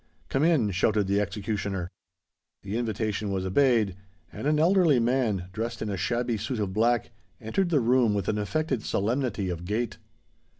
"Come in!" shouted the executioner. The invitation was obeyed; and an elderly man, dressed in a shabby suit of black, entered the room with an affected solemnity of gait.